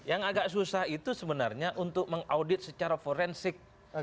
yang agak susah itu sebenarnya untuk mengaudit secara forensik